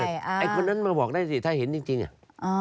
ไอ้คนนั้นมาบอกได้สิถ้าเห็นจริงอ่ะ